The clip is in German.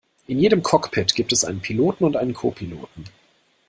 In jedem Cockpit gibt es einen Piloten und einen Co-Piloten